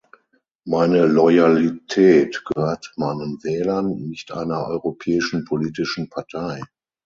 Meine Loyalität gehört meinen Wählern, nicht einer europäischen politischen Partei.